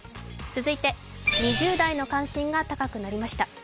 続いて２０代の関心が高くなりました。